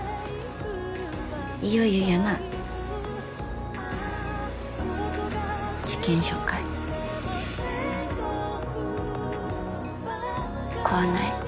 いよいよやな治験初回怖ない？